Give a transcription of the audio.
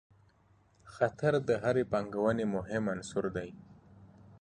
خطر د هرې پانګونې مهم عنصر دی.